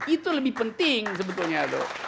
itu lebih penting sebetulnya